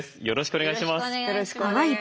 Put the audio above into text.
よろしくお願いします。